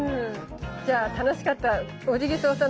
じゃあ楽しかったオジギソウさん